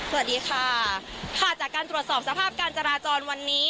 สวัสดีค่ะค่ะจากการตรวจสอบสภาพการจราจรวันนี้